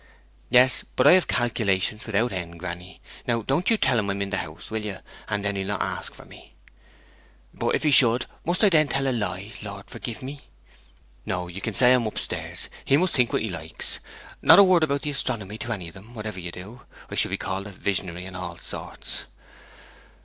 'Yes; but I have calculations without end, granny. Now, don't you tell him I'm in the house, will you? and then he'll not ask for me.' 'But if he should, must I then tell a lie, Lord forgive me?' 'No, you can say I'm up stairs; he must think what he likes. Not a word about the astronomy to any of them, whatever you do. I should be called a visionary, and all sorts.'